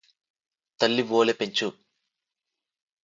తల్లివోలె పెంచు